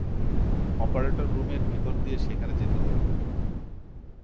Operator রুমের ভেতর দিয়ে সেখানে যেতে হতো।